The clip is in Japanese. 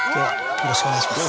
よろしくお願いします。